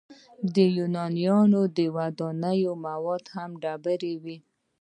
د یونانیانو د ودانیو مواد هم ډبرې وې.